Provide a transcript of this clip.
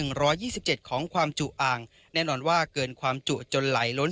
ร้อยยี่สิบเจ็ดของความจุอ่างแน่นอนว่าเกินความจุจนไหลล้น